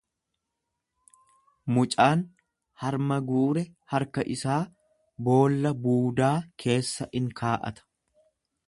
Mucaan harma guure harka isaa boolla buudaa keessa in kaa'ata.